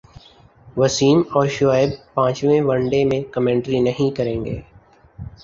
وسیم اور شعیب پانچویں one day میں کمنٹری نہیں کریں گے